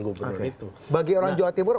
gubernur itu bagi orang jawa timur